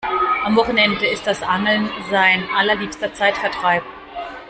Am Wochenende ist das Angeln sein allerliebster Zeitvertreib.